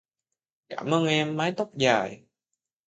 Cảm ơn em mái tóc dài